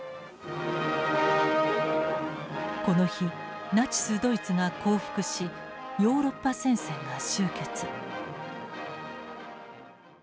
この日ナチス・ドイツが降伏しヨーロッパ戦線が終結。